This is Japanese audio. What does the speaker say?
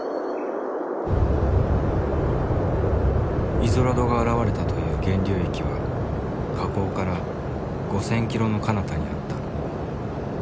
イゾラドが現れたという源流域は河口から５，０００キロのかなたにあった。